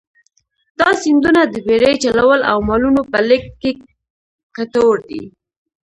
دا سیندونه د بېړۍ چلولو او مالونو په لېږد کې کټوردي.